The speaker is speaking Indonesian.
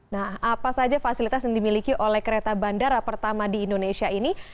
nah apa saja fasilitas yang dimiliki oleh kereta bandara pertama di indonesia ini